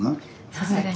さすがに。